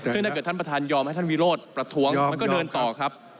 ซึ่งถ้าเกิดท่านประธานยอมให้ท่านวิโรธประท้วงมันก็เดินต่อครับ